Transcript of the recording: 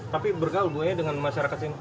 tapi bergaul buahnya dengan masyarakat sini